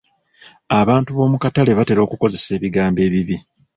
Abantu b'omu katale batera okukozesa ebigambo ebibi.